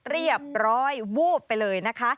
เรียบร้อยวูบไปเลยนะคะ